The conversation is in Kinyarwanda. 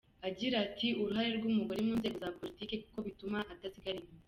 Agira ati “uruhare rw’umugore mu nzego za politiki, kuko bituma adasigara inyuma.